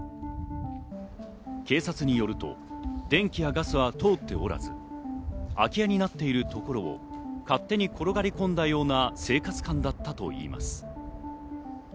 警察によると電気やガスは通っておらず、空き家になっているところを勝手に転がり込んだような生活感だったといいます。